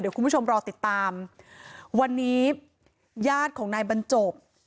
คุณผู้ชมรอติดตามวันนี้ญาติของนายบรรจบ